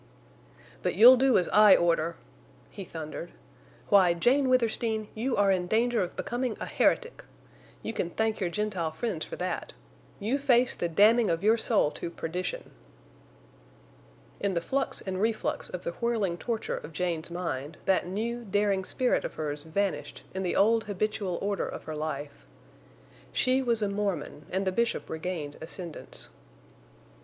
"But you'll do as I order!" he thundered. "Why, Jane Withersteen, you are in danger of becoming a heretic! You can thank your Gentile friends for that. You face the damning of your soul to perdition." In the flux and reflux of the whirling torture of Jane's mind, that new, daring spirit of hers vanished in the old habitual order of her life. She was a Mormon, and the Bishop regained ascendance.